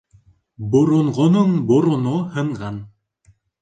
Боронғоноң бороно һынған.